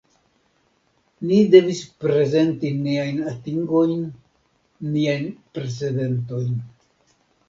Ni devis prezenti niajn atingojn, niajn precedentojn.